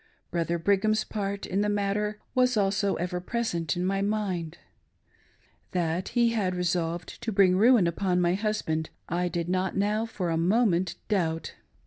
Brother Brigham's part in the matter was also ever present in my mind. That he had resolved to bring ruin upon my hiasband I did not now for a moment doubt.